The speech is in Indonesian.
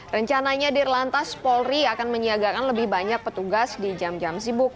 rencananya dirlantas polri akan menyiagakan lebih banyak petugas di jam jam sibuk